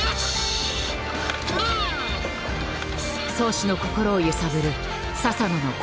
漕手の心を揺さぶる「佐々野のコール」。